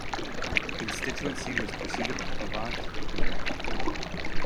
The constituency was preceded by Havant and Waterloo.